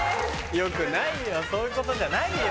よくないよそういうことじゃないよ。